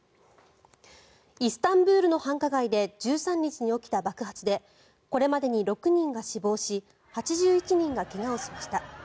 イスタンブールの繁華街で１３日に起きた爆発でこれまでに６人が死亡し８１人が怪我をしました。